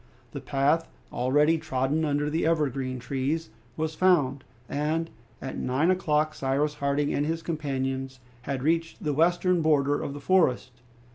The path, already trodden under the evergreen trees, was found, and at nine o'clock Cyrus Harding and his companions had reached the western border of the forest.